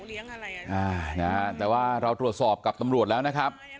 อ่านะฮะแต่ว่าเราตรวจสอบกับตำรวจแล้วนะครับ